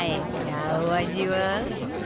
さあお味は？